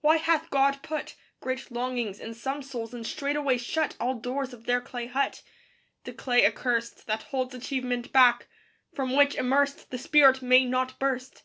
Why hath God put Great longings in some souls and straightway shut All doors of their clay hut? The clay accurst That holds achievement back; from which, immersed, The spirit may not burst.